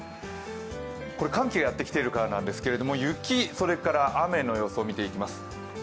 これ寒気がやってきているからなんですけれども雪、それから雨の予想を見ていきます。